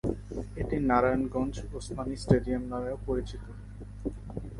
এটি নারায়ণগঞ্জ ওসমানী স্টেডিয়াম নামেও পরিচিত।